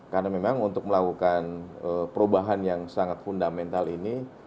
karena memang untuk melakukan perubahan yang sangat fundamental ini